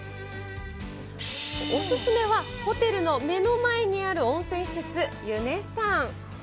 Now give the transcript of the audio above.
お勧めはホテルの目の前にある温泉施設、ユネッサン。